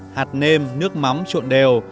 hạt nêm nước mắm trộn đều